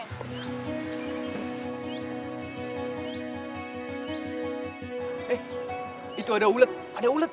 eh itu ada ulet ada ulet